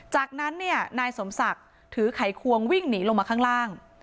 จากนั้นเนี่ยนายสมศักดิ์ถือไขควงวิ่งหนีลงมาข้างล่าง